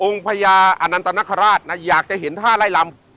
องค์พระยาอนัตนคราชนะอยากจะเห็นท่านไล่รัมน์